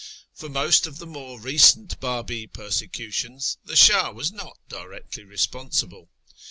For most of the more recent Babi persecutions the Shah was not directly responsible.